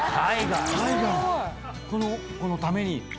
この子のために。